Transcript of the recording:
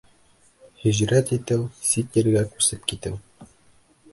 Һижрәт итеү — сит ергә күсеп китеү.